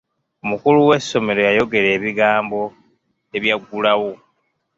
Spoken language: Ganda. Omukulu w'essomero yayogera ebigambo ebyaggulawo.